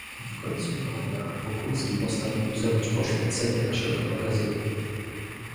"W końcu maja Wokulski postanowił zrobić poświęcenie naszego magazynu."